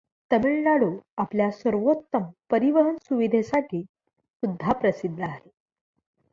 तामिळनाडू आपल्या सर्वाेत्तम परिवहन सुविधेसाठी सुद्धा प्रसिद्ध आहे.